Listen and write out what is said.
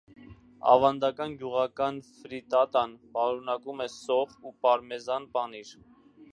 Ավանդական գյուղական ֆրիտատան պարունակում է սոխ ու պարմեզան պանիր։